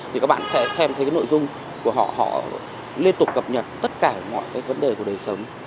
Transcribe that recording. thì các bạn sẽ xem thấy cái nội dung của họ họ liên tục cập nhật tất cả mọi cái vấn đề của đời sống